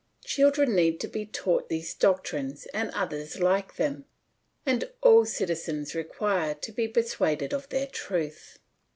Children need to be taught these doctrines and others like them and all citizens require to be persuaded of their truth.